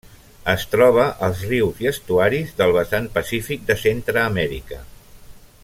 Es troba als rius i estuaris del vessant pacífic de Centreamèrica.